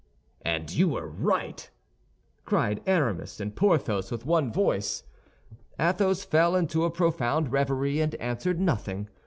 "And you were right," cried Aramis and Porthos, with one voice. Athos fell into a profound reverie and answered nothing.